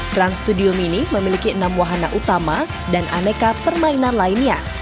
trans studio mini memiliki enam wahana utama dan aneka permainan lainnya